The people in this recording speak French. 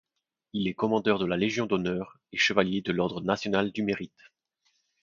Il est commandeur de la Légion d'honneur et Chevalier de l'ordre national du Mérite.